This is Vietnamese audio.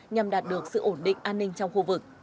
nhằm đạt được sự ổn định an ninh trong khu vực